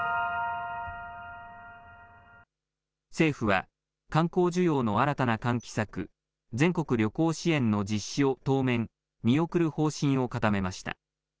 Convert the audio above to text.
政府は観光需要の新たな喚起策、全国旅行支援の実施を当面、見送る方針を固めました。